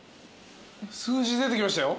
数字出てきましたよ。